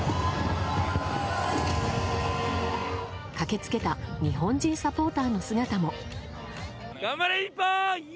駆け付けた日本人サポーターの姿も。